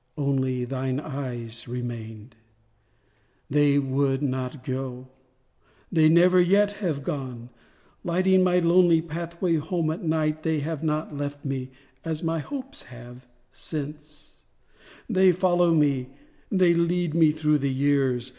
Only thine eyes remained; They would not go—they never yet have gone; Lighting my lonely pathway home that night, They have not left me (as my hopes have) since; They follow me—they lead me through the years.